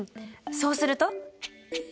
そうすると？